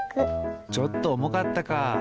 ちょっとおもかったか。